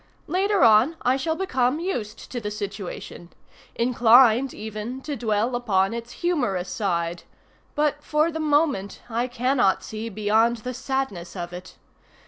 Later on I shall become used to the situation; inclined, even, to dwell upon its humorous side; but for the moment I cannot see beyond the sadness of it.